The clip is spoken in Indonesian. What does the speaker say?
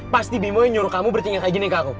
pasti bimo yang nyuruh kamu bertindak kayak gini ke aku